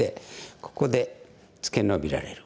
ここでツケノビられる。